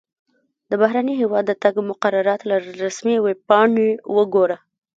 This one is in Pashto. د بهرني هیواد د تګ مقررات له رسمي ویبپاڼې وګوره.